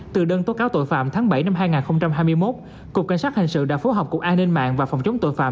từ đơn tố cáo tội phạm tháng bảy năm hai nghìn hai mươi một cục cảnh sát hình sự đã phối hợp cục an ninh mạng và phòng chống tội phạm